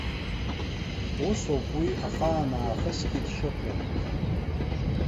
Усоуп уи ахаан аахысгьы дшыҟоу.